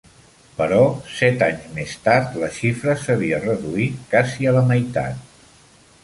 Però set anys més tard la xifra s'havia reduït casi a la meitat.